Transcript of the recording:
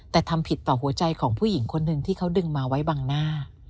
แต่ทำผิดต่อหัวใจของผู้หญิงคนหนึ่งที่เขาดึงมาไว้บังหน้า